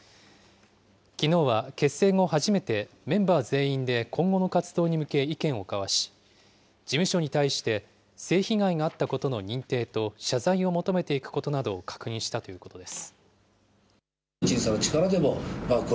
きのうは結成後初めて、メンバー全員で今後の活動に向け意見を交わし、事務所に対して性被害があったことの認定と謝罪を求めていくことなどを確認したということです。